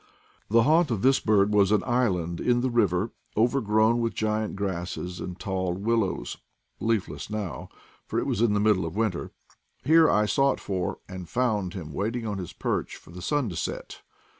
The haunt of this bird ;was an island in the river, overgrown with giant grasses and tall willows, leafless now, for it was CONCEENING EYES 186 in the middle of winter. Here I sought for and found him waiting on his perch for the sun to set.